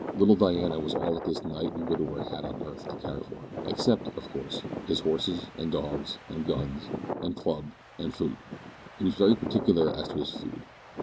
Little Diana was all that this knight and widower had on earth to care for, except, of course, his horses and dogs, and guns, and club, and food. He was very particular as to his food.